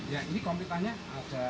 ya ini komplitannya ada